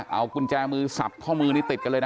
เอากุญแจมือสับข้อมือนี่ติดกันเลยนะ